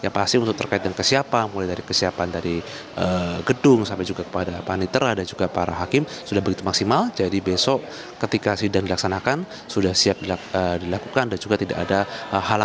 yang pasti untuk terkait dengan kesiapan mulai dari kesiapan dari gedung sampai juga kepada panitera dan juga para hakim sudah begitu maksimal jadi besok ketika sidang dilaksanakan sudah siap dilakukan dan juga tidak ada hal hal